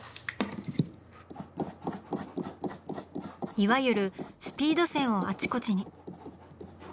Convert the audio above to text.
いわゆるスピード線をあちこちに。